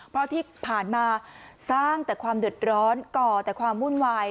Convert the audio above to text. เพราะที่ผ่านมาสร้างแต่ความเดือดร้อนก่อแต่ความวุ่นวาย